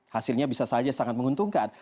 hasilnya bisa saja sangat menguntungkan